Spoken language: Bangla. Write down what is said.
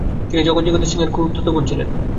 তিনি জগৎজিৎ সিংএর খুড়তুতো বোন ছিলেন।